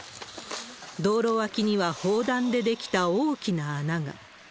道路脇には砲弾で出来た大きな穴が。